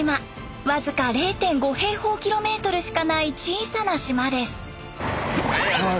僅か０．５平方キロメートルしかない小さな島です。